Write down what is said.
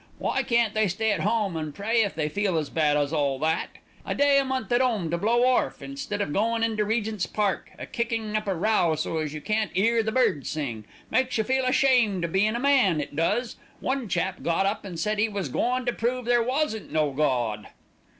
Why can't they stay at home and pray if they feel as bad as all that. A day a month at 'ome to blow orf, instead of goin' into Regent's Park, a kicking up a row so as you can't 'ear the birds sing, makes you feel ashamed o' bein' a man, it does. One chap got up and said he was goin' to prove there wasn't no Gawd."